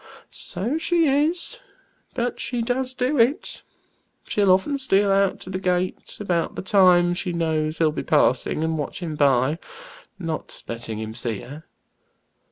"So she is, but she does do it. She'll often steal out to the gate about the time she knows he'll be passing, and watch him by, not letting him see her.